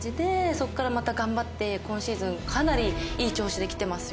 そこからまた頑張って今シーズンかなりいい調子できてますよ。